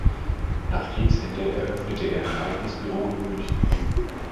Nach Kriegsende eröffnete er ein eigenes Büro in München.